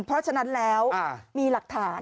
เพราะฉะนั้นแล้วมีหลักฐาน